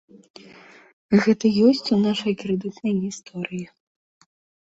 Гэта ёсць у нашай крэдытнай гісторыі.